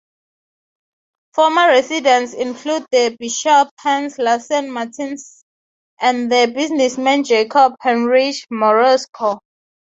Former residents include the bishop Hans Lassen Martensen and the businessman Jacob Heinrich Moresco.